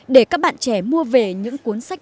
để các bạn trẻ mua về những cuốn sách